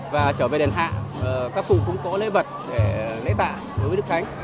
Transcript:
và trở về đền hạ các phụ cung cố lễ vật để lễ tạ với đức khánh